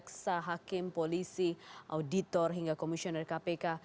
jaksa hakim polisi auditor hingga komisioner kpk